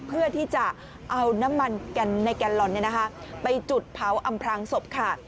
เพื่อที่จะเอาน้ำมันในแกนลอนไปจุดเผาอำพลางศพค่ะ